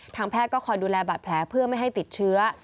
แพทย์ก็คอยดูแลบาดแผลเพื่อไม่ให้ติดเชื้อ